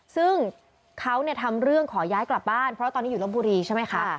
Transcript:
ซึ่งเขาทำเรื่องขอย้ายกลับบ้านเพราะตอนนี้อยู่ลบบุรีใช่ไหมคะ